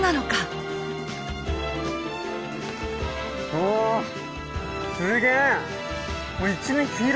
おおすげえ！